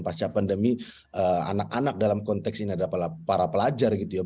pasca pandemi anak anak dalam konteks ini adalah para pelajar gitu ya